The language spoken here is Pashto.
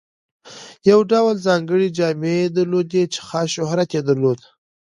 یو ډول ځانګړې جامې یې درلودې چې خاص شهرت یې درلود.